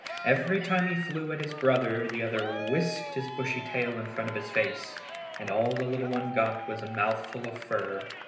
Every time he flew at his brother the other whisked his bushy tail in front of his face, and all the little one got was a mouthful of fur.